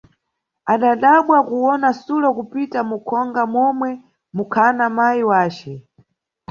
Adadabwa kuwona sulo kupita mukhonga momwe mukhana mayi yace.